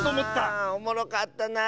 ああおもろかったなあ。